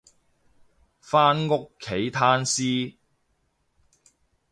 返屋企攤屍